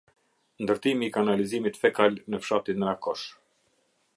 Ndertimi I Kanalizimit Fekal Ne Fshatin Rakosh "